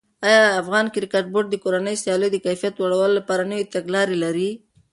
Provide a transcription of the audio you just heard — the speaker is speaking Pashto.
آیا افغان کرکټ بورډ د کورنیو سیالیو د کیفیت لوړولو لپاره نوې تګلاره لري؟